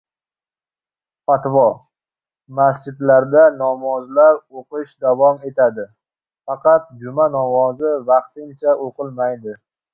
Fatvo: masjidlarda namozlar o‘qish davom etadi. Faqat Juma namozi vaqtincha o‘qilmaydi